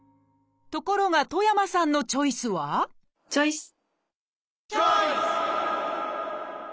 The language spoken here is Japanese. ところが戸山さんのチョイスはチョイス！